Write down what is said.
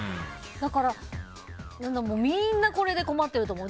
だから、みんなこれで困っていると思う。